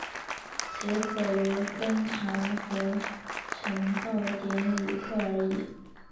只可由庚查核呈报典礼科而已。